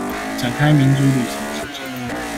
展開民主旅程至今